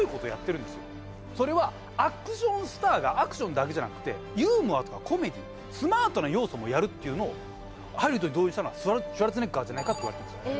それはアクションスターがアクションだけじゃなくてユーモアとかコメディースマートな要素もやるっていうのをハリウッドに導入したのはシュワルツェネッガーじゃないかっていわれてます